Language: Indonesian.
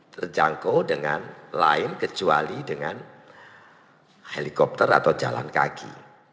terjangkau dengan lain kecuali dengan helikopter atau jalan kaki